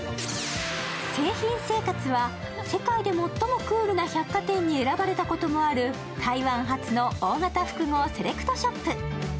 誠品生活は世界でも最もクールな百貨店にも選ばれたことのある台湾発の大型複合セレクトショップ。